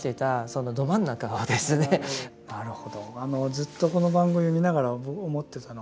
ずっとこの番組を見ながら僕思ってたの。